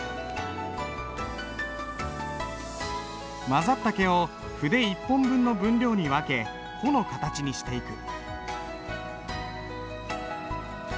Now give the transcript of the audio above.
混ざった毛を筆一本分の分量に分け穂の形にしていく。